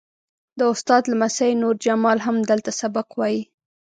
د استاد لمسی نور جمال هم دلته سبق وایي.